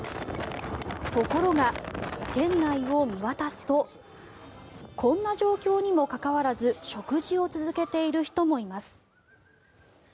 ところが、店内を見渡すとこんな状況にもかかわらず食事を続けている人もいます。